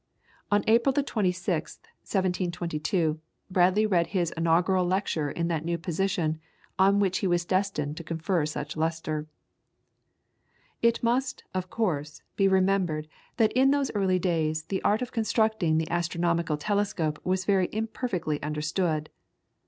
On April the 26th, 1722, Bradley read his inaugural lecture in that new position on which he was destined to confer such lustre. It must, of course, be remembered that in those early days the art of constructing the astronomical telescope was very imperfectly understood.